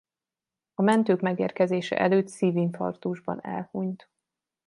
A mentők megérkezése előtt szívinfarktusban elhunyt.